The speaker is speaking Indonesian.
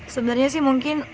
sebenernya sih mungkin